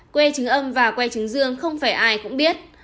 que chứng âm và que chứng dương không phải ai cũng biết